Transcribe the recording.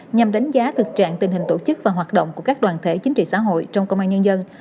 nhằm đánh giá thực trạng tình hình tổ chức và hoạt động của các đoàn thể chính trị xã hội trong công an nhân dân